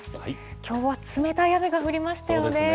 きょうは冷たい雨が降りましたよね。